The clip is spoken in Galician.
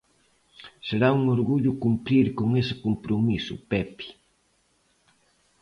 Será un orgullo cumprir con ese compromiso, Pepe.